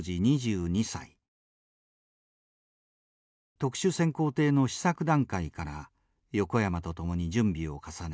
特殊潜航艇の試作段階から横山と共に準備を重ね